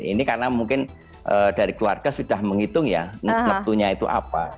ini karena mungkin dari keluarga sudah menghitung ya waktunya itu apa